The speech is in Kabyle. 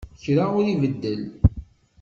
Kra ur ibeddel.